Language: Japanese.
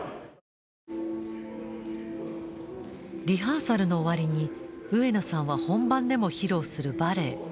リハーサルの終わりに上野さんは本番でも披露するバレエ